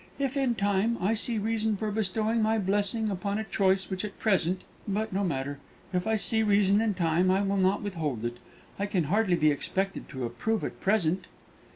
If, in time, I see reason for bestowing my blessing upon a choice which at present But no matter. If I see reason in time, I will not withhold it. I can hardly be expected to approve at present."